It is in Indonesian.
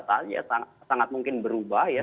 ya sangat mungkin berubah ya